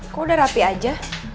kok udah rapi aja